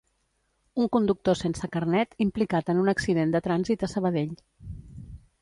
Un conductor sense carnet, implicat en un accident de trànsit a Sabadell